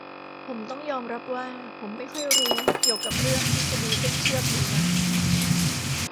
ผมต้องยอมรับว่า ผมไม่ค่อยรู้เกี่ยวกับเรื่อง ทฤษฎีเส้นเชือก ดีนัก